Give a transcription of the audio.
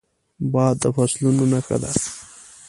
باد د فصلونو نښه ده